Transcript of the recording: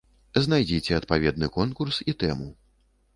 Знайдзіце адпаведны конкурс і тэму.